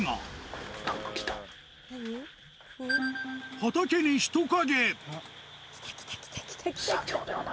畑に人影！